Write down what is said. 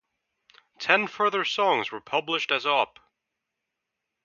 Ten further songs were published as Op.